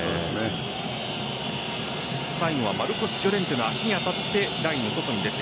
最後はマルコスジョレンテの足に当たってラインの外に出て。